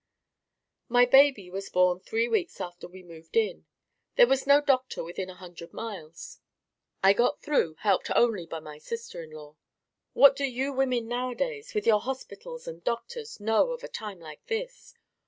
My baby was born three weeks after we moved in. There was no doctor within a hundred miles. I got through, helped only by my sister in law. What do you women nowadays, with your hospitals and doctors know of a time like this?